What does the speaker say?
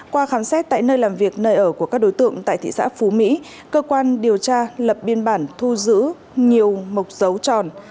qua khám xét tại nơi làm việc nơi ở của các đối tượng tại thị xã phú mỹ cơ quan điều tra lập biên bản thu giữ nhiều mộc dấu tròn